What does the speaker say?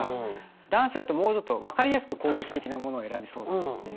男性だともうちょっと分かりやすく攻撃的なものを選びそうだっていう。